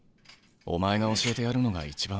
お前が教えてやるのが一番。